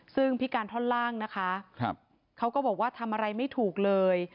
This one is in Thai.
ซึ่งพิการท่อนล่างนะคะเขาก็บอกว่าทำอะไรไม่ถูกเลย